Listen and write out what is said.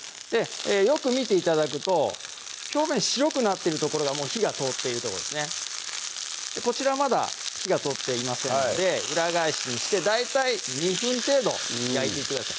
よく見て頂くと表面白くなってる所がもう火が通っているとこですねこちらまだ火が通っていませんので裏返しにして大体２分程度焼いていってください